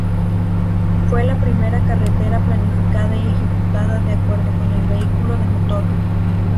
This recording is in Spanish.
Fue la primera carretera planificada y ejecutada de acuerdo con el vehículo de motor.